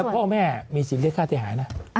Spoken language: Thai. พ่อแม่มีสิทธิ์เรียกค่าเสียหายนะ